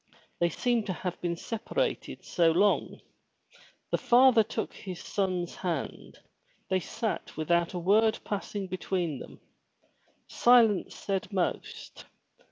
They seemed to have been separated so long. The father took his son's hand; they sat without a word passing between them. Silence said most.